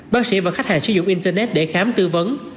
bác sĩ và khách hàng sử dụng internet để khám tư vấn